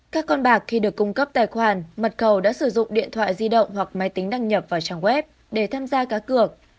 các con bạc khi được cung cấp tài khoản mật cầu đã sử dụng điện thoại di động hoặc máy tính đăng nhập vào trang web để tham gia cá cược